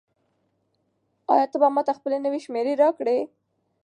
آیا ته به ماته خپله نوې شمېره راکړې؟